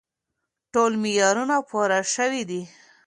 ټول معیارونه پوره شوي دي.